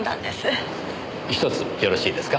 １つよろしいですか？